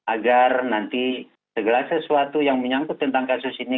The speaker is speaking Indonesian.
agar nanti segala sesuatu yang menyangkut tentang kasus ini